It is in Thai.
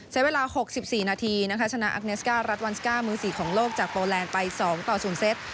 ใช้เวลา๖๔นาทีนะคะชนะอักเนสก้ารัฐวันสก้ามือ๔ของโลกจากโปแลนด์ไป๒ต่อ๐เซต